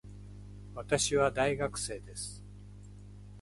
私は大学生です。